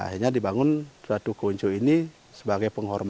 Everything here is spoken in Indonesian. akhirnya dibangun suatu konco ini sebagai penghormatan